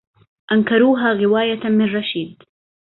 أنكروها غواية من رشيد